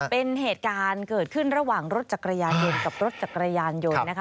เป็นเหตุการณ์เกิดขึ้นระหว่างรถจักรยานยนต์กับรถจักรยานยนต์นะคะ